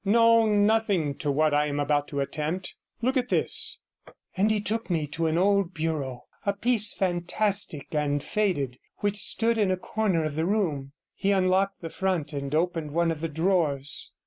No, nothing to what I am about to attempt. Look at this;' and he took me to an old bureau, a piece fantastic and faded, which stood in a corner of the room. He unlocked the front and opened one of the drawers.